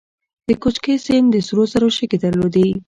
د کوکچې سیند د سرو زرو شګې درلودې